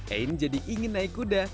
ain jadi ingin naik kuda